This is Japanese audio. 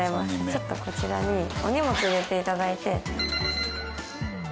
ちょっとこちらにお荷物置いて頂いて。